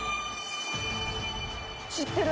「知ってる！」